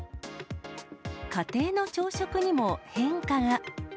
家庭の朝食にも変化が。